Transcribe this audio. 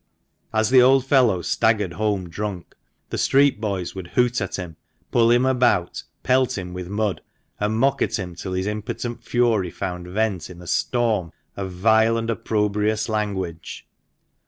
As the old fellow staggered home drunk, the street boys would hoot at him, pull him about, pelt him with mud, and mock at him, till his impotent fury found vent in a storm of vile and opprobrious language.